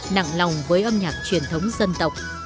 nặng lòng với âm nhạc truyền thống dân tộc